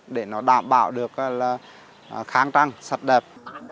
để nó đảm bảo được là kháng trăng sật đẹp